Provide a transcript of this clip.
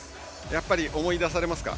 やっぱり思い出されますか。